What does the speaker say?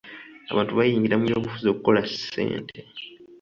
Abantu bayingira mu by'obufuzi okukola ssente.